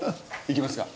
いきますか。